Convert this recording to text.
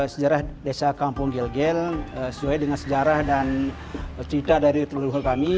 sejarah desa kampung gel gel sesuai dengan sejarah dan cita dari teluhur kami